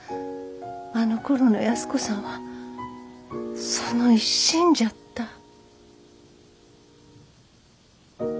あのころの安子さんはその一心じゃった。